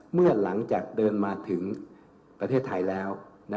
เมื่อหลังจากเดินมาถึงประเทศไทยแล้ว